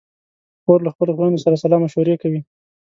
خور له خپلو خویندو سره سلا مشورې کوي.